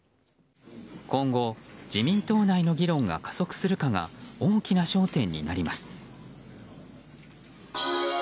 今後、自民党内の議論が加速するかが大きな焦点になります。